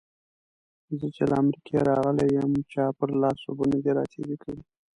زه چې له امريکا راغلی يم؛ چا پر لاس اوبه نه دې راتېرې کړې.